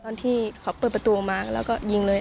ตอนที่เขาเปิดประตูออกมาแล้วก็ยิงเลย